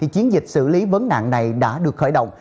chiến dịch xử lý vấn nạn này đã được khởi động